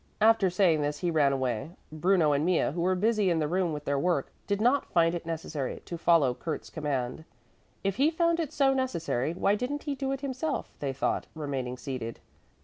After saying this he ran away. Bruno and Mea, who were busy in the room with their work, did not find it necessary to follow Kurt's command. If he found it so necessary, why didn't he do it himself, they thought, remaining seated.